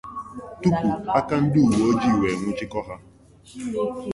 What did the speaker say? tupuu aka ndị uwe ojii wee nwụchikọọ ha.